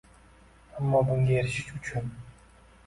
Ammo bunga erishish uchun